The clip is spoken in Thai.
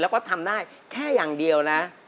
แล้วก็ทำได้แค่อย่างเดียวนะ